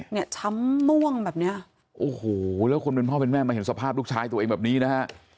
เนี่ยช้ำม่วงแบบเนี้ยโอ้โหแล้วคนเป็นพ่อเป็นแม่มาเห็นสภาพลูกชายตัวเองแบบนี้นะฮะ